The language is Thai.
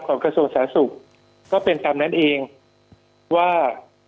ของกระโสสาศุกร์ก็เป็นตามนั้นเองว่า